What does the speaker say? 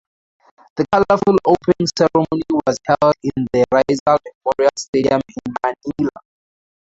The colourful opening ceremony was held in the Rizal Memorial Stadium in Manila.